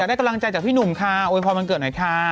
อยากได้กำลังใจจากพี่หนูมคะโอ้ยพอร์มลันเกิดหน่อยคะ